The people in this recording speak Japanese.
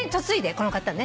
この方ね。